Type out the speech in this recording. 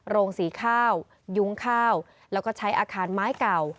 โรงสีข้าวยุ้งข้าวแล้วก็ใช้อาคารไม้เก่า